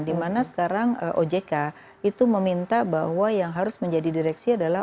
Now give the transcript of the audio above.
dimana sekarang ojk itu meminta bahwa yang harus menjadi direksi adalah